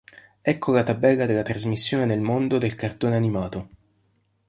Ecco la tabella della trasmissione nel mondo del cartone animato.